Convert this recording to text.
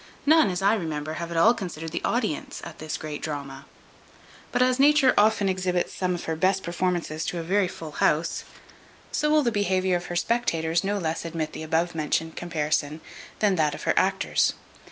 None, as I remember, have at all considered the audience at this great drama. But as Nature often exhibits some of her best performances to a very full house, so will the behaviour of her spectators no less admit the above mentioned comparison than that of her actors.